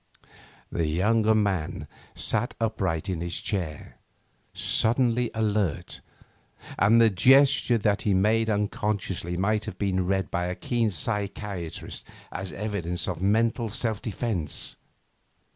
The younger man sat upright in his chair, suddenly alert, and the gesture that he made unconsciously might have been read by a keen psychiatrist as evidence of mental self defence.